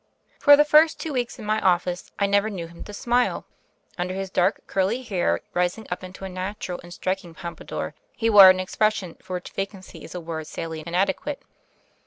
For the first two weeks in my office I never knew him to smile. Under his dark, curly hair, ris ing up into a natural and striking pompadour, he wore an expression for which vacancy is a word sadly inadequate.